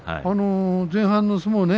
前半の相撲ね